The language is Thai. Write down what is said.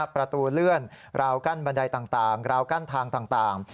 ประตูเลื่อนราวกั้นบันไดต่างราวกั้นทางต่าง